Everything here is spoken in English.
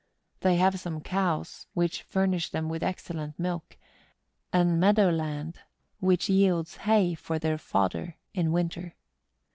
They have some cows, which furnish them with excellent milk, and meadow land, which yields 148 MOUNTAIN ADVENTURES. hay for their fodder in winter.